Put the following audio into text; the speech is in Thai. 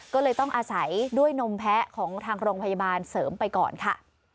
ก็เลยต้องอาศัยด้วยนมแพ้ของทางโรงพยาบาลเสริมไปก่อนค่ะ